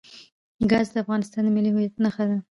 ګاز د افغانستان د ملي هویت نښه ده.